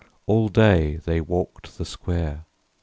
All day, they walked the square.